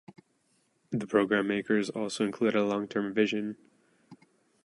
The programme makers also included a long-term vision.